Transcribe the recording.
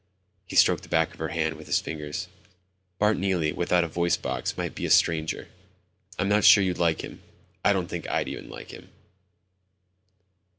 He stroked the back of her hand with his finger. "Bart Neely without a voice box might be a stranger. I'm not sure you'd like him. I don't think I'd even like him."